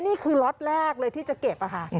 นี่คือล็อตแรกเลยที่จะเก็บค่ะ